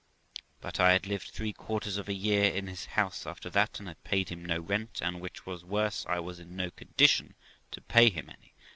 But I had lived three quarters of a year in his house after that, and had paid him no rent, and, which was worse, I was in no condition to pay him any.